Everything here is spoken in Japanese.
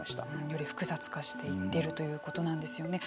より複雑化していっているということなんですよね。